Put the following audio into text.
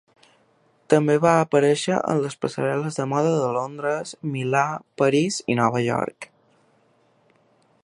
També va aparèixer en les passarel·les de moda de Londres, Milà, París i Nova York.